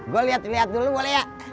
gue liat liat dulu boleh ya